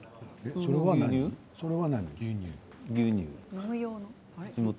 それは何？